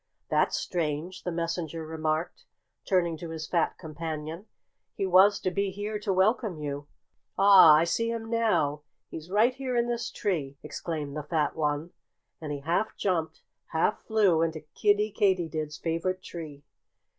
"That's strange!" the messenger remarked, turning to his fat companion. "He was to be here to welcome you." "Ah! I see him now! He's right here in this tree!" exclaimed the fat one. And he half jumped, half flew into Kiddie Katydid's favorite tree.